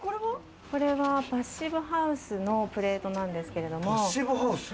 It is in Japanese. これはパッシブハウスのプレートなんですけども。